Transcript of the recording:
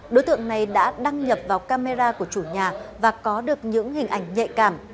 đối tượng này đã đăng nhập vào camera của chủ nhà và có được những hình ảnh nhạy cảm